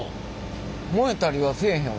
燃えたりはせえへんわ。